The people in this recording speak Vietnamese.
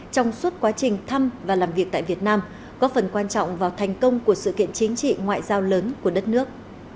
trong suốt quá trình thăm và làm việc tại việt nam có phần quan trọng vào thành công của sự kiện chính trị ngoại giao lớn của đất nước